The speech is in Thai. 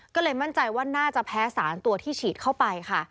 ก็เลยมั่นใจว่าน่าจะแพ้สารตัวที่ฉีดเข้าไปค่ะ